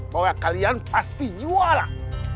bapak kalian pasti jual lah